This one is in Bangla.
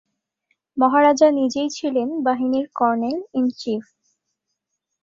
মহারাজা নিজেই ছিলেন বাহিনীর কর্নেল-ইন-চিফ।